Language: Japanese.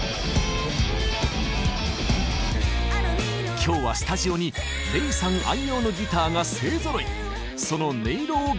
今日はスタジオにＲｅｉさん愛用のギターが勢ぞろい！